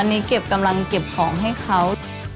อันนี้เก็บกำลังเก็บของให้เขา